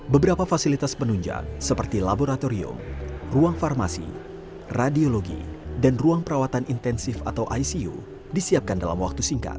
beberapa fasilitas penunjang seperti laboratorium ruang farmasi radiologi dan ruang perawatan intensif atau icu disiapkan dalam waktu singkat